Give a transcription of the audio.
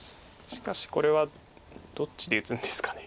しかしこれはどっちで打つんですかね。